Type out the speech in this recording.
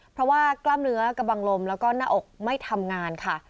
เพราะว่ากล้ามเนื้อกระบังลมแล้วก็หน้าอกไม่ทำงานค่ะ